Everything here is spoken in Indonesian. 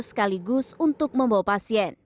sekaligus untuk membawa pasien